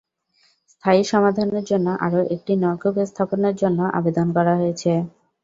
স্থায়ী সমাধানের জন্য আরও একটি নলকূপ স্থাপনের জন্য আবেদন করা হয়েছে।